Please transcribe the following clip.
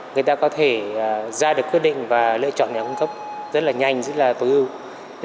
người ta có thể ra được quyết định và lựa chọn nhà cung cấp rất là nhanh rất là tối ưu